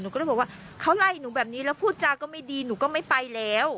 ก็เลยบอกว่าเขาไล่หนูแบบนี้แล้วพูดจาก็ไม่ดีหนูก็ไม่ไปแล้ว